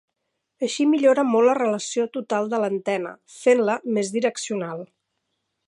Així millora molt la relació total de l'antena, fent-la més direccional.